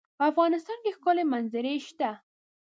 په افغانستان کې ښکلي منظرې شته.